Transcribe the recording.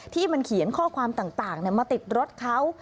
ที่มันเขียนข้อความต่างมาติดรถเขา